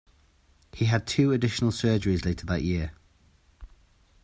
He had two additional surgeries later that year.